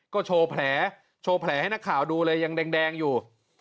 ก็โชว์แผลโชว์แผลให้นักข่าวดูเลยยังแดงอยู่